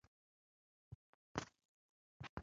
ډېر تور ښکارېدل، زمري: همداسې ده لکه تاسې چې وایئ رینالډو.